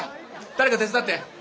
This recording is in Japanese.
誰か手伝って。